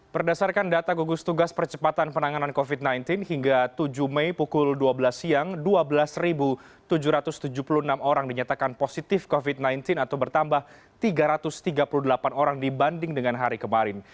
berdasarkan data gugus tugas percepatan penanganan covid sembilan belas hingga tujuh mei pukul dua belas siang dua belas tujuh ratus tujuh puluh enam orang dinyatakan positif covid sembilan belas atau bertambah tiga ratus tiga puluh delapan orang dibanding dengan hari kemarin